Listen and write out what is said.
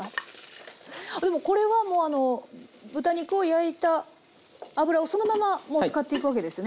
でもこれはあの豚肉を焼いた油をそのままもう使っていくわけですね。